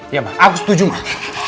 iya mbak aku setuju mbak